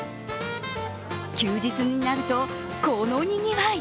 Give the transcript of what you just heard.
休日になると、このにぎわい。